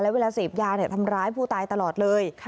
แล้วเวลาเสพยาเนี่ยทำร้ายผู้ตายตลอดเลย